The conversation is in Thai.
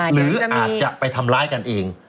หรืออาจจะไปทำร้ายกันเอง